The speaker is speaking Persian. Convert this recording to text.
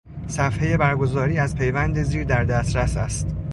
صفحهٔ برگزاری از پیوند زیر در دسترس است